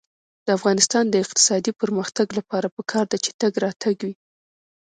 د افغانستان د اقتصادي پرمختګ لپاره پکار ده چې تګ راتګ وي.